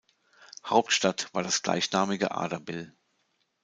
Hauptstadt war das gleichnamige Ardabil.